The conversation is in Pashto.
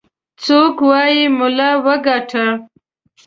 څوك وايي ملا وګاټه.